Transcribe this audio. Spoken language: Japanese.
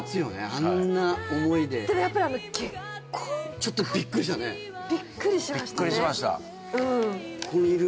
あんな思いででもやっぱり結婚ちょっとびっくりしたねびっくりしましたねびっくりしました